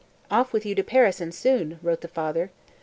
"Off with you to Paris, and soon!" wrote the father.